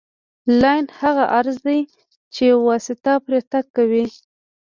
لاین هغه عرض دی چې یوه واسطه پرې تګ کوي